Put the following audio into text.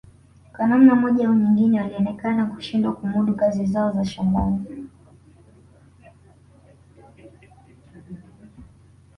kwa namna moja au nyingine walionekana kushindwa kumudu kazi zao za shambani